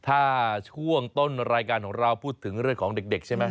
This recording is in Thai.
ถ้าช่วงต้นรายการของเราพูดถึงเรื่องของเด็กใช่ไหม